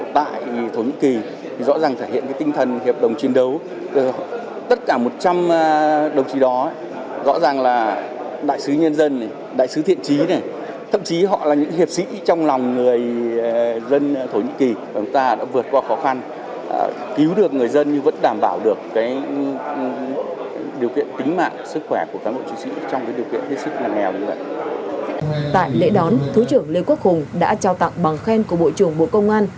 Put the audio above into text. tại lễ đón thủ trưởng lê quốc hùng đã trao tặng bằng khen của bộ trưởng bộ công an